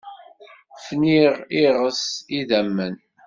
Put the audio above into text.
Fniɣ, iɣes, idammen.